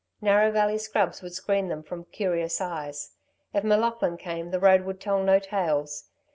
Narrow Valley scrubs would screen them from curious eyes. If M'Laughlin came, the road would tell no tales.